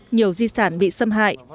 nhiều di sản bị xâm hại